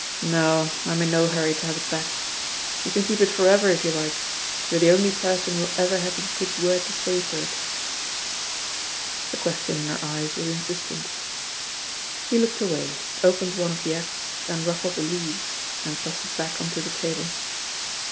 No, I'm in no hurry to have it back; you can keep it for ever, if you like; you're the only person who'll ever have a good word to say for itl" The question in her eyes was insistent. He looked away, opened one of the acts and ru£3ed the leaves, and tossed it back on to the table.